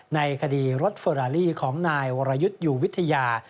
ในคดีรถเฟอราลีของนายวรยุทธ์อยู่วิทยา